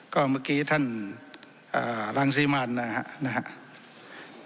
ก็เมื่อกี้ท่านรังสิมันนะครับ